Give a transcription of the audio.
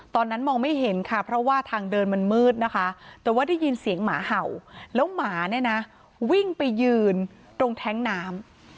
ตอนนั้นมองไม่เห็นค่ะเพราะว่าทางเดินมันมืดนะคะแต่ว่าได้ยินเสียงหมาเห่าแล้วหมาเนี่ยนะวิ่งไปยืนตรงแท้งน้ำ